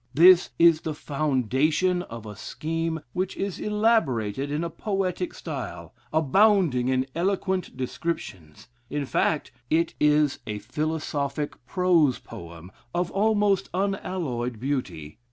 This is the foundation of a scheme which is elaborated in a poetic style, abounding in eloquent descriptions; in fact it is a philosophic prose poem of almost unalloyed beauty.